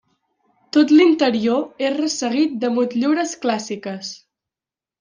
Tot l'interior és resseguit de motllures clàssiques.